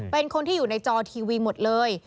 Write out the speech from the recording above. เป็นคนที่อยู่ในจอทีวีหมดเลย